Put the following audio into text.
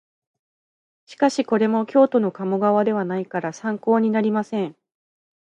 しかしこれも京都の鴨川ではないから参考になりません